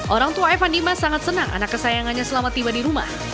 orang tua evan dimas sangat senang anak kesayangannya selama tiba di rumah